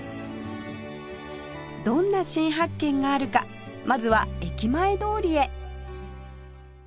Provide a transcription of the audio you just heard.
どんな新発見があるかまずは駅前通りへ